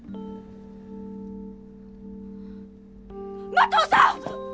麻藤さん！